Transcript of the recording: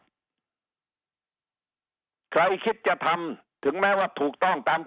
แห่งหน้าขาดใครคิดจะทำถึงแม้ว่าถูกต้องตาม